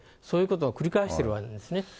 そういうことを繰り返してるわけですね。